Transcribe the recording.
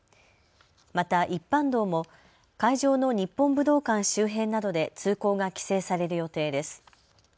また一般道も会場の日本武道館周辺などで通行が規制される予定です。